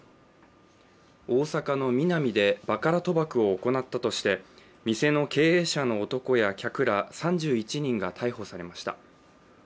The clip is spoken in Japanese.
大阪のミナミでバカラ賭博を行ったとして、店の経営者の男や客ら３１人が逮捕されました。